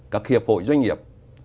các hiệp hội doanh nghiệp